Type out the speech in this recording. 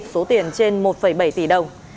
số tiền trên một bảy tỷ đồng